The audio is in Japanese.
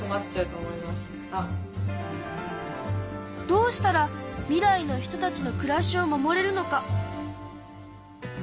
どうしたら未来の人たちの暮らしを守れるのか？